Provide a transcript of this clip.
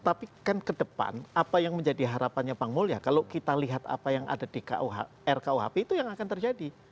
tapi kan ke depan apa yang menjadi harapannya bang mulya kalau kita lihat apa yang ada di rkuhp itu yang akan terjadi